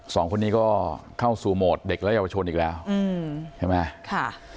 สองคนนี้ก็เข้าสู่โหมดเด็กและเยาวชนอีกแล้วอืมใช่ไหมค่ะ